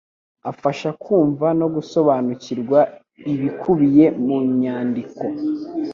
afasha kumva no gusobanukirwa ibikubiye mu myandiko